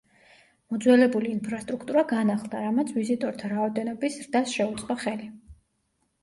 მოძველებული ინფრასტრუქტურა განახლდა, რამაც ვიზიტორთა რაოდენობის ზრდას შეუწყო ხელი.